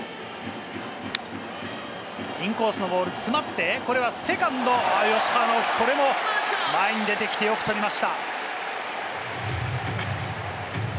インコースのボール詰まって、これはセカンド・吉川尚輝、これも前に出てきて、よく取りました。